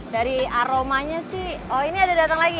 dari aromanya sih oh ini ada datang lagi